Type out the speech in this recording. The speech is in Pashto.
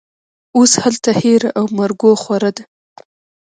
اوس هلته هېره او مرګوخوره ده